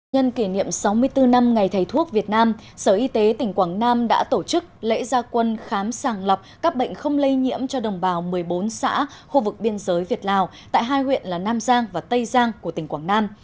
nhân kỷ niệm sáu mươi bốn năm ngày thầy thuốc việt nam sở y tế tỉnh quảng nam đã tổ chức lễ gia quân khám sàng lọc các bệnh không lây nhiễm cho đồng bào một mươi bốn xã khu vực biên giới việt lào tại hai huyện là nam giang và tây giang của tỉnh quảng nam